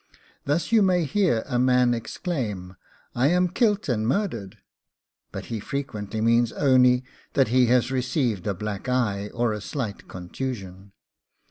Thus you may hear a man exclaim, 'I'm kilt and murdered!' but he frequently means only that he has received a black eye or a slight contusion.